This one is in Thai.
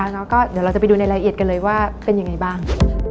แล้วก็เดี๋ยวเราจะไปดูในรายละเอียดกันเลยว่าเป็นยังไงบ้าง